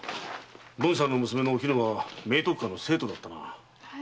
文さんの娘の“おきぬ”は明徳館の生徒だったな。